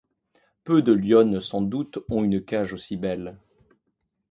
Peu de lionnes sans doute ont une cage aussi belle.